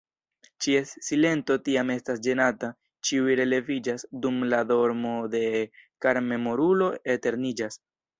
Ĉies silento tiam estas ĝenata; Ĉiuj releviĝas, dum la dormo de karmemorulo eterniĝas.